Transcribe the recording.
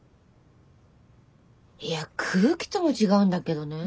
いや空気とも違うんだけどねぇ。